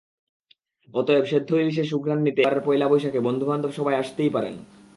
অতএব, সেদ্ধ ইলিশের সুঘ্রাণ নিতে এবারের পয়লা বৈশাখে বন্ধুবান্ধব সবাই আসতেই পারেন।